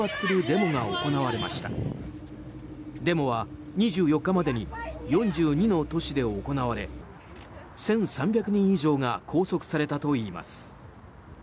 デモは２４日までに４２の都市で行われ１３００人以上が拘束されたといいます。